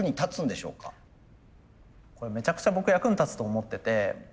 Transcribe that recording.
これめちゃくちゃ僕役に立つと思ってて。